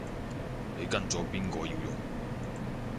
你跟咗邊個要用